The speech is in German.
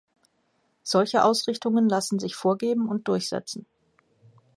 Solche Ausrichtungen lassen sich vorgeben und durchsetzen.